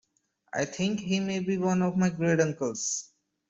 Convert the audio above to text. I think he may be one of my great uncles.